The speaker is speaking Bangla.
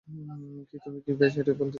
কী, তুমি কি ব্যস এটাই বলতে যাচ্ছিলে?